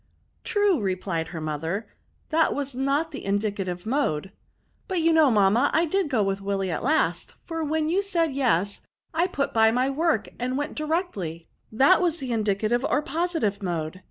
" True," replied her mother, that wa» not the indieative raode*" But you know, mamma, I did go with Willy at last ; for when you said yes, I put fey my work, and I went directly ; that was the indicative or positive mode.